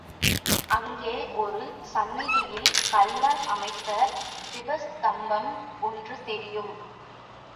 அங்கே ஒரு சந்நிதியில் கல்லால் அமைத்த தீபஸ்தம்பம் ஒன்று தெரியும்.